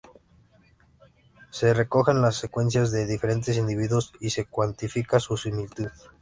Se recogen las secuencias de diferentes individuos y se cuantifica su similitud.